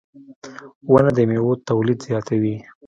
• ونه د میوو تولید زیاتوي.